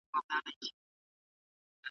څېړونکې وویل چې وقفه مهمه ده.